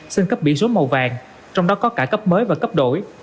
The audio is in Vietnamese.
xin cấp biển số màu vàng trong đó có cả cấp mới và cấp đổi